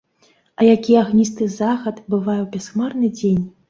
А які агністы захад бывае ў бясхмарны дзень!